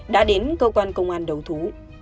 đã đến cơ quan công an đấu thú